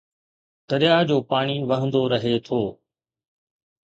درياهه جو پاڻي وهندو رهي ٿو